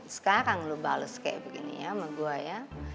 sekarang lo bales kayak begini ya sama gue ya